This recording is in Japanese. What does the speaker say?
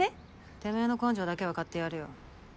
てめぇの根性だけは買ってやるよ。